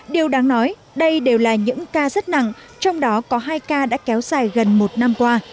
điều đáng nói đây đều là những ca rất nặng trong đó có hai ca đã kéo dài gần một năm qua